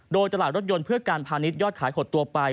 โดยตลาดรถยนต์เพื่อการพาณิชยอดขายหดตัวไป